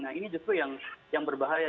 nah ini justru yang berbahaya